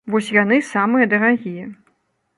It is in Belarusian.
Вось яны самыя дарагія.